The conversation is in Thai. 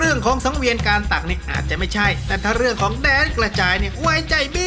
เอากลับบ้านไปเลย